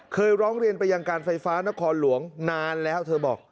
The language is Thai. ร้องเรียนไปยังการไฟฟ้านครหลวงนานแล้วเธอบอก